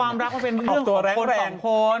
ความรักมันเป็นเรื่องของแรง